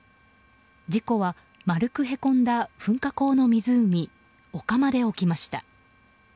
事故は、丸くへこんだ噴火口の湖お釜で起きました。